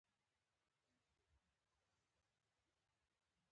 کوږ نیت له نېکمرغۍ لرې وي